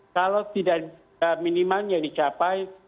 kalau tidak minimalnya dicapai